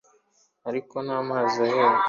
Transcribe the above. Ariko nta mazi ahari